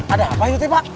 ada apa ya pak